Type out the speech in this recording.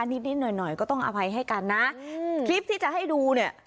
นิดนิดหน่อยหน่อยก็ต้องอภัยให้กันนะคลิปที่จะให้ดูเนี่ย